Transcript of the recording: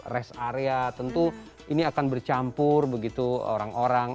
rest area tentu ini akan bercampur begitu orang orang